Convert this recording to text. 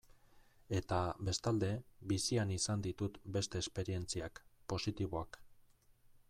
Eta, bestalde, bizian izan ditut beste esperientziak, positiboak.